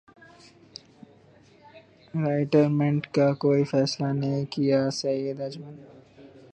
retire minute کا کوئی فیصلہ نہیں کیاسعید اجمل